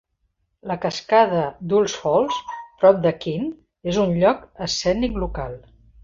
La cascada de Hull's Falls prop de Keene és un lloc escènic local.